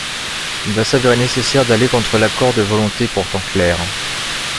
Il va s’avérer nécessaire d’aller contre l’accord de volonté pourtant claire.